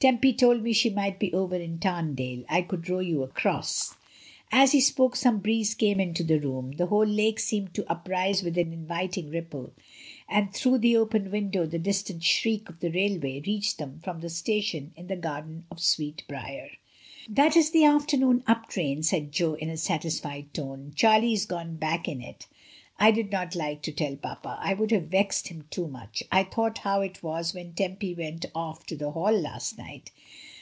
Tempy told me she might be over in Tarndale — I could row you across." As he spoke some breeze came into the room, the whole lake seemed to uprise with an inviting ripple, and through the open window the distant shriek of the railway reached them from the station in the garden of sweetbriar. "That is the afternoon up train," said Jo in a satisfied tone. "Charlie is gone back in it. I did not like to tell papa, it would have vexed him too much. I thought how it was when Tempy went off to the Hall last night.